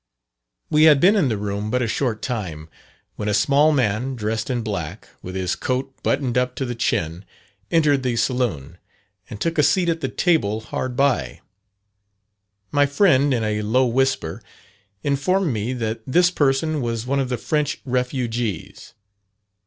We had been in the room but a short time, when a small man, dressed in black, with his coat buttoned up to the chin, entered the saloon, and took a seat at the table hard by. My friend in a low whisper informed me that this person was one of the French refugees.